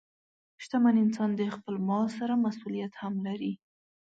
شتمن انسان د خپل مال سره مسؤلیت هم لري.